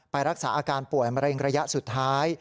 รักษาอาการป่วยมะเร็งระยะสุดท้าย